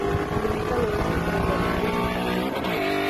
Limita al oeste con el balneario Santa Ana.